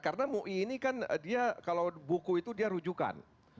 karena mui ini kan dia kalau buku itu dia rujukan